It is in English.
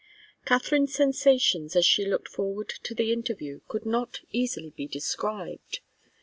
Katharine's sensations as she looked forward to the interview could not easily be described.